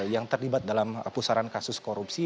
yang terlibat dalam pusaran kasus korupsi